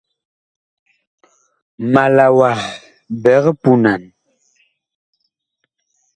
Ma la wa biig punan.